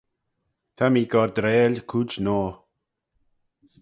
Ta mee gordrail cooid noa.